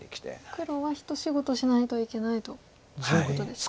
黒は一仕事しないといけないということですね。